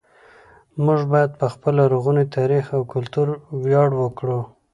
موږ باید په خپل لرغوني تاریخ او کلتور ویاړ وکړو